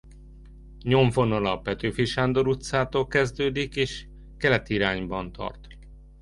Nyomvonala a Petőfi Sándor utcától kezdődik és keleti irányban tart.